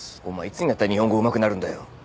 お前いつになったら日本語うまくなるんだよ。